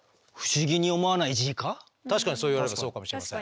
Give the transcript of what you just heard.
確かにそう言われればそうかもしれない。